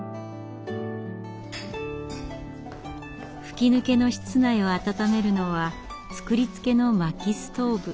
吹き抜けの室内を暖めるのは作りつけの薪ストーブ。